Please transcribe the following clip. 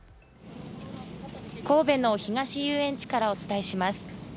神戸の東遊園地からお伝えします。